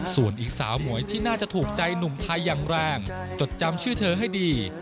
ส่วนอีกสาวหมวยที่น่าจะถูกใจหนุ่มไทยอย่างแรงจดจำชื่อเธอให้ดี